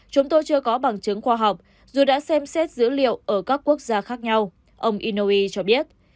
chúng tôi chưa có bằng chứng khoa học dù đã xem xét dữ liệu ở các quốc gia khác nhau ông inoei cho biết